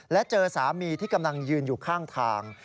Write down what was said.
และเจอสามีที่กำลังยืนอยู่ข้างทาง